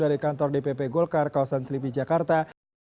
dari kantor dpp golkar kawasan selipi jakarta